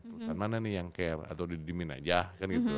perusahaan mana nih yang care atau didimin aja kan gitu